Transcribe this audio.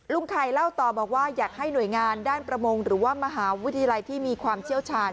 ไข่เล่าต่อบอกว่าอยากให้หน่วยงานด้านประมงหรือว่ามหาวิทยาลัยที่มีความเชี่ยวชาญ